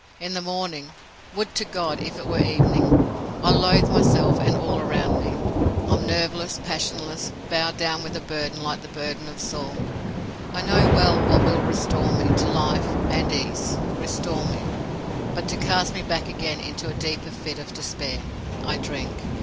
In the morning, "Would to God it were evening!" I loathe myself, and all around me. I am nerveless, passionless, bowed down with a burden like the burden of Saul. I know well what will restore me to life and ease restore me, but to cast me back again into a deeper fit of despair. I drink.